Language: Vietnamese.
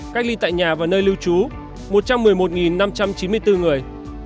cách ly tại nhà và nơi lưu trú một trăm một mươi một năm trăm chín mươi bốn người